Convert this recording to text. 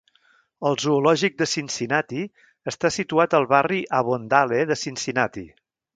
El zoològic de Cincinnati està situat al barri Avondale de Cincinnati.